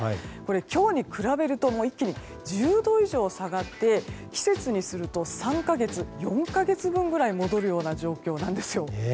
今日と比べると一気に１０度以上下がって季節にすると３か月４か月分ぐらい戻る状況です。